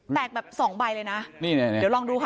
แบบสองใบเลยนะนี่เดี๋ยวลองดูค่ะ